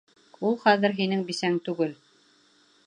Ул хәҙер һинең бисәң түгел!